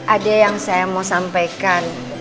ada yang saya mau sampaikan